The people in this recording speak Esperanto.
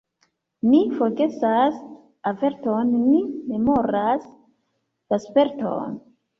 Ni forgesas averton, ni memoras la sperton.